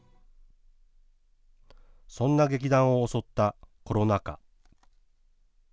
そんな劇団を襲ったコロナ禍。